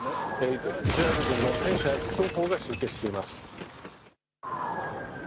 イスラエル軍の戦車や自走砲が集結しています。